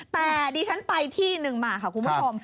แต่ดิฉันไปที่หนึ่งมาค่ะคุณผู้ชม